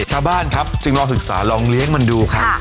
ชาวบ้านครับจึงลองศึกษาลองเลี้ยงมันดูครับ